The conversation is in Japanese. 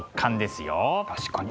確かに。